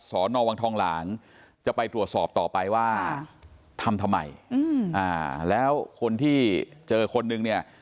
สอนอวังทองหลางจะไปตรวจสอบต่อไปว่าทำทำไมแล้วคนที่เจอคนนึงเนี่ย